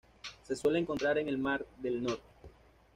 Se suele encontrar en el mar del Norte.